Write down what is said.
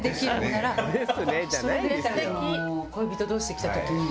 恋人同士で来た時に。